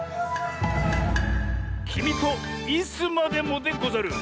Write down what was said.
「きみとイスまでも」でござる。